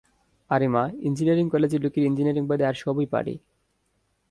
আরে মা ইঞ্জিনিয়ারিং কলেজের লোকেরা ইঞ্জিনিয়ারিং বাদে আর সবই পারে!